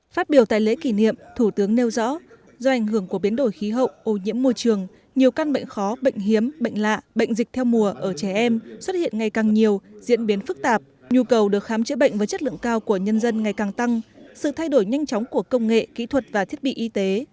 phát biểu tại lễ kỷ niệm thủ tướng nêu rõ do ảnh hưởng của biến đổi khí hậu ô nhiễm môi trường nhiều căn bệnh khó bệnh hiếm bệnh lạ bệnh dịch theo mùa ở trẻ em xuất hiện ngày càng nhiều diễn biến phức tạp nhu cầu được khám chữa bệnh với chất lượng cao của nhân dân ngày càng tăng sự thay đổi nhanh chóng của công nghệ kỹ thuật và thiết bị y tế